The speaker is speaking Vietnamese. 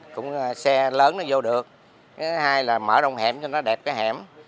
cũng xe lớn nó vô được thứ hai là mở rộng hẻm cho nó đẹp cái hẻm